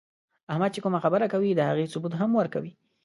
احمد چې کومه خبره کوي، د هغو ثبوت هم ورکوي.